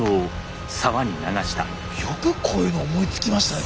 よくこういうの思いつきましたね